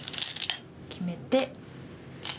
決めて。